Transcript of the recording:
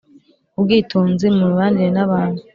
Ubwitonzi mu mibanire n’abantu